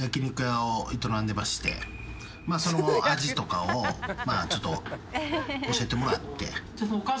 その味とかをちょっと教えてもらって。